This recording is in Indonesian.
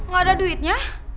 gak ada duitnya